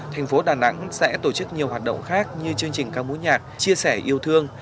thành phố đà nẵng sẽ tổ chức nhiều hoạt động khác như chương trình ca mối nhạc chia sẻ yêu thương